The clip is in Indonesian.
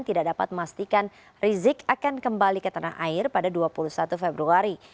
tidak dapat memastikan rizik akan kembali ke tanah air pada dua puluh satu februari